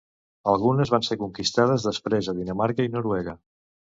Algunes van ser conquistades després a Dinamarca i Noruega.